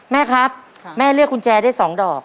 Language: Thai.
แม่ครับแม่เลือกกุญแจได้๒ดอก